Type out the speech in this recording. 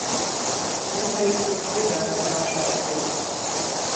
Its main base was Riga International Airport.